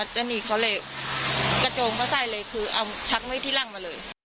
ช่วงจังหวะเกิดเหมาะ